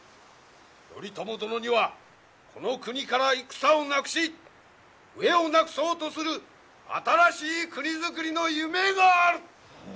頼朝殿にはこの国から戦をなくし飢えをなくそうとする新しい国づくりの夢がある。